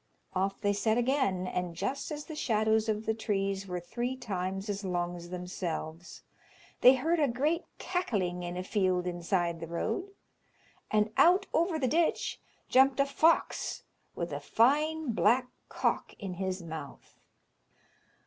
Off they set again, and just as the shadows of the trees were three times as long as themselves, they heard a great cackling in a field inside the road, and out over the ditch jumped a fox with a fine black cock in his mouth.